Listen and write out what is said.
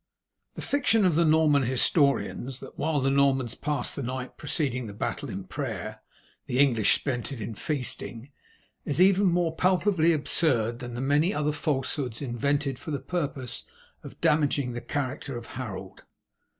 The fiction of the Norman historians, that while the Normans passed the night preceding the battle in prayer, the English spent it in feasting, is even more palpably absurd than the many other falsehoods invented for the purpose of damaging the character of Harold.